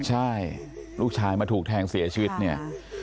ใช่ลูกชายมาถูกแทงเสียชีวิตเนี่ย